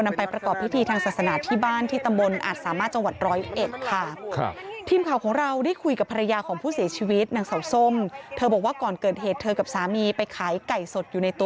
นำไปประกอบพิธีทางศาสนาที่บ้านที่ตำบลอาจสามารย์จังหวัด๑๐๑ค่ะ